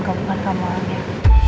kau bukan kamu orangnya